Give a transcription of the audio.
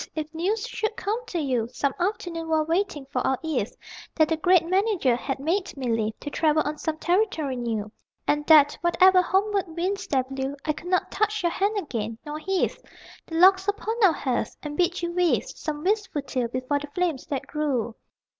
If news should come to you Some afternoon, while waiting for our eve, That the great Manager had made me leave To travel on some territory new; And that, whatever homeward winds there blew, I could not touch your hand again, nor heave The logs upon our hearth and bid you weave Some wistful tale before the flames that grew....